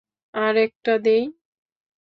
আর একটা দেই?